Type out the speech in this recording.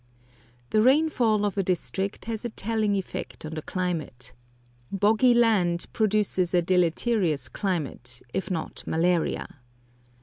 The rainfall of a district has a telling effect on the climate. Boggy land produces a deleterious climate, if not malaria.